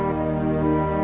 jangan sampai apa apa